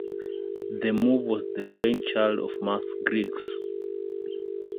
The move was the brainchild of Max Griggs.